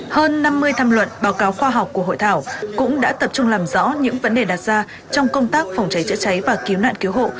hơn năm mươi tham luận báo cáo khoa học của hội thảo cũng đã tập trung làm rõ những vấn đề đặt ra trong công tác phòng cháy chữa cháy và cứu nạn cứu hộ